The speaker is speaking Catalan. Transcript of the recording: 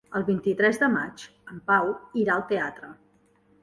El vint-i-tres de maig en Pau irà al teatre.